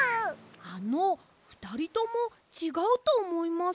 あのふたりともちがうとおもいます。